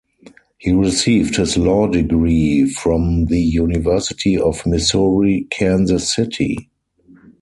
He received his law degree from the University of Missouri-Kansas City.